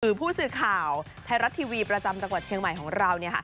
คือผู้สื่อข่าวไทยรัฐทีวีประจำจังหวัดเชียงใหม่ของเรา